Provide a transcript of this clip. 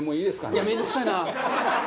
いや面倒くさいな！